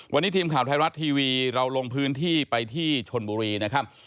วันนี้ทีมข่าวไทยรัฐทีวีเราลงพื้นที่ไปที่ชนบุรีนะครับ